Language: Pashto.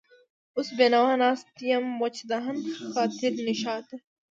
وس بېنوا ناست يم وچ دهن، خاطر ناشاده